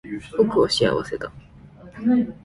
僕は幸せだ